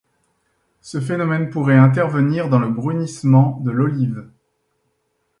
Ce phénomène pourrait intervenir dans le brunissement de l'olive.